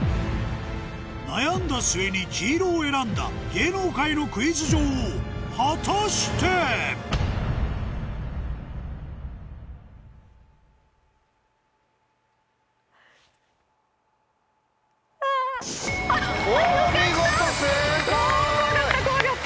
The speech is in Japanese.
悩んだ末に黄色を選んだ芸能界のクイズ女王果たして⁉あぁ。よかった！